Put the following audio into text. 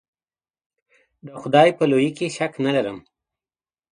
د خدای په لویي کې شک نه ارم.